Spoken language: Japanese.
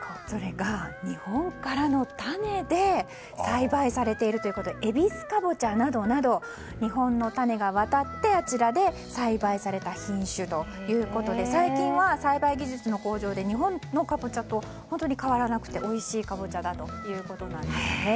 それが日本からの種で栽培されているということでえびすかぼちゃなどなど日本の種が渡ってあちらで栽培された品種ということで最近は栽培技術の向上で日本のカボチャと本当に変わらなくておいしいカボチャだということです。